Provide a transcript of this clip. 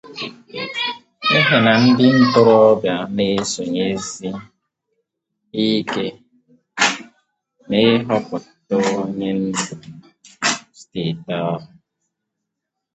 n'ihi na ndị ntorobịa na-esonyesizị ike n'ịhọpụta onye ndu steeti ahụ